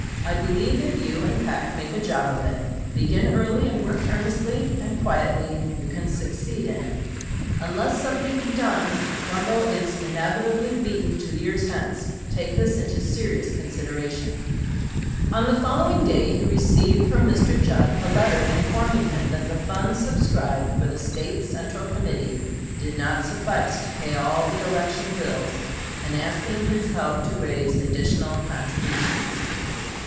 I believe if you and Peck make a job of it, begin early and work earnestly and quietly, you can succeed in it. Unless something be done, Trumbull is inevitably beaten two years hence. Take this into serious consideration." Ibid., Nov. 16, 1858. On the following day he received from Mr. Judd a letter informing him that the funds subscribed for the State Central Committee did not suffice to pay all the election bills, and asking his help to raise additional contributions.